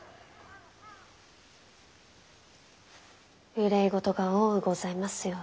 憂い事が多うございますようで。